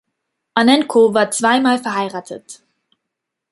Annenkow war zwei Mal verheiratet.